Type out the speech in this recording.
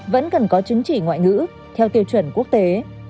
vẫn cần có chứng chỉ ngoại ngữ theo tiêu chuẩn quốc tế